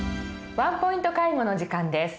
「ワンポイント介護」の時間です。